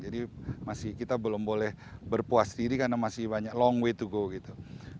jadi masih kita belum boleh berpuas diri karena masih banyak long way to go gitu